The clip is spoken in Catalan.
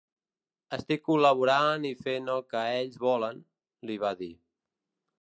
Estic col·laborant i fent el que ells volen, li va dir.